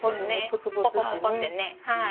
ポコポコってねはい。